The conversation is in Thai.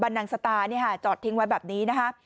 บรรนังสตราเนี่ยห่ะจอดทิ้งวายแบบนี้ฮะ